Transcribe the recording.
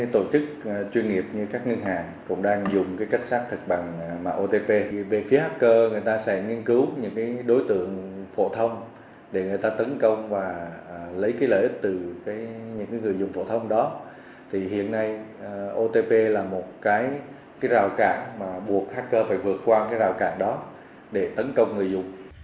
từ những người dùng phổ thông đó thì hiện nay otp là một cái rào cản mà buộc hacker phải vượt qua cái rào cản đó để tấn công người dùng